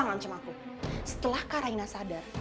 ngancam aku setelah karaina sadar